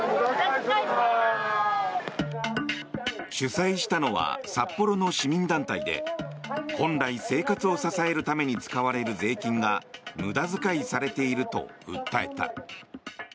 主催したのは札幌の市民団体で本来、生活を支えるために使われる税金が無駄遣いされていると訴えた。